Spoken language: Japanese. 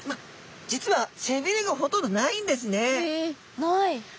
実はせびれがほとんどないんですね。へえない。